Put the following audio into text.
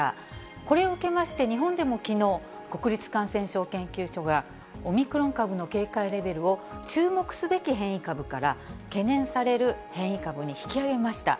これを受けまして、日本でもきのう、国立感染症研究所が、オミクロン株の警戒レベルを注目すべき変異株から、懸念される変異株に引き上げました。